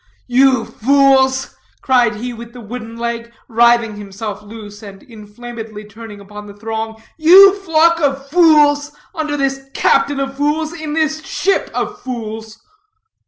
"You fools!" cried he with the wooden leg, writhing himself loose and inflamedly turning upon the throng; "you flock of fools, under this captain of fools, in this ship of fools!"